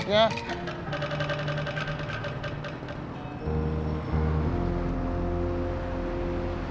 tidak ada uang